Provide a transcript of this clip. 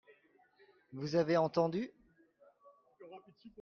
Vous avez entendu ?